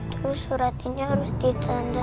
terus surat ini harus ditanda